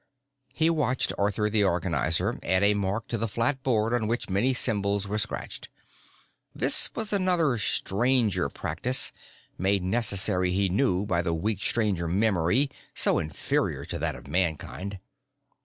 He watched Arthur the Organizer add a mark to the flat board on which many symbols were scratched. This was another Stranger practice made necessary, he knew, by the weak Stranger memory, so inferior to that of Mankind.